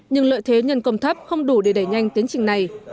nhưng lợi thế nhân công thấp không đủ để đẩy nhanh tiến trình này